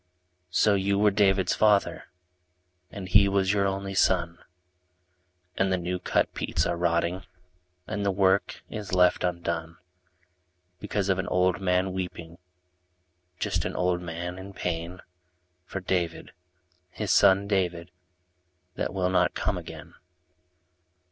lO you were David's father, And he was your only son, And the new cut peats are rotting And the work is left undone. Because of an old man weeping, Just an old man in pain. For David, his son David, That will not come again.